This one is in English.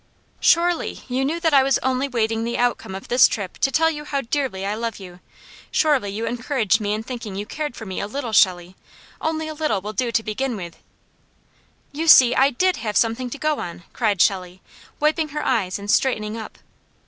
"'Surely, you knew that I was only waiting the outcome of this trip to tell you how dearly I love you. Surely, you encouraged me in thinking you cared for me a little, Shelley. Only a little will do to begin with '" "You see, I DID have something to go on!" cried Shelley, wiping her eyes and straightening up.